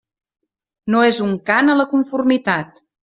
No és un cant a la conformitat.